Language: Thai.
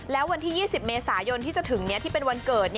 แล้ววันที่๒๐เมษายนที่จะถึงที่เป็นวันเกิด